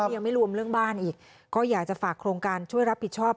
ยังไม่รวมเรื่องบ้านอีกก็อยากจะฝากโครงการช่วยรับผิดชอบ